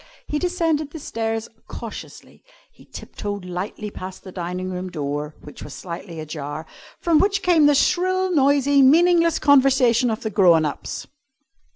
He descended the stairs cautiously. He tip toed lightly past the dining room door (which was slightly ajar), from which came the shrill, noisy, meaningless, conversation of the grown ups.